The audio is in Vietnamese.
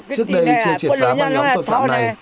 trước đây trời triệt phá băng lắm tội phạm này